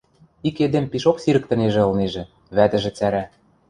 Ик эдем пишок сирӹктӹнежӹ ылнежӹ, вӓтӹжӹ цӓрӓ: